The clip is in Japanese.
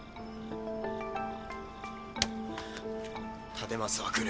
立松は来る。